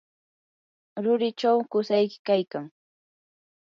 rurichaw qusayki kaykan.